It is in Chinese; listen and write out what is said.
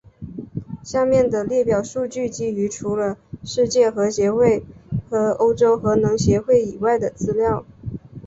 下面的列表数据基于除了世界核协会和欧洲核能协会以外的资料。